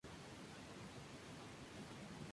Su cuerpo descansa hoy en la catedral de Forlì.